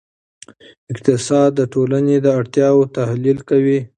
اقتصاد د ټولنې د اړتیاوو تحلیل کوي.